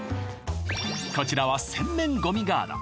こちらは洗面ごみガード